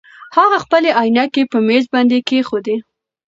هغه خپلې عینکې په مېز باندې کېښودې.